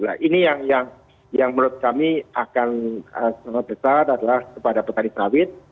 nah ini yang menurut kami akan sangat besar adalah kepada petani sawit